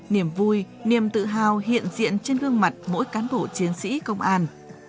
niềm vui niềm tự hào hiện diện trên gương mặt mỗi cán bộ chiến sĩ công an